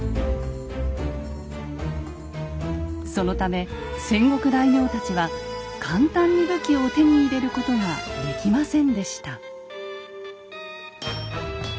そのため戦国大名たちは簡単に武器を手に入れることができませんでした。